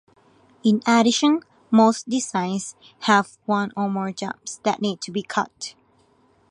In addition, most designs have one or more jumps that need to be cut.